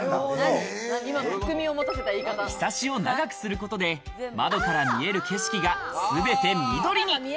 ひさしを長くすることで、窓から見える景色が全て緑に。